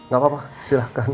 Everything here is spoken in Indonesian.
gak apa apa silahkan